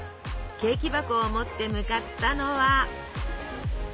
ケーキ箱を持って向かったのは。